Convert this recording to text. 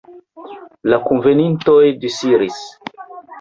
La kunvenintoj disiris.